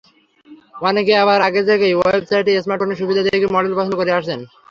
অনেকে আবার আগে থেকেই ওয়েবসাইটে স্মার্টফোনের সুবিধা দেখে মডেল পছন্দ করে আসেন।